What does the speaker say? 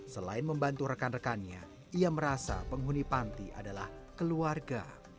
selain membantu rekan rekannya ia merasa penghuni panti adalah keluarga